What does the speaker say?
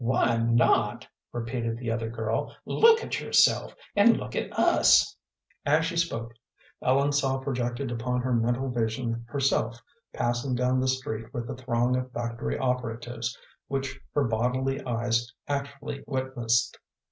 "Why not?" repeated the other girl. "Look at yourself, and look at us!" As she spoke, Ellen saw projected upon her mental vision herself passing down the street with the throng of factory operatives which her bodily eyes actually witnessed.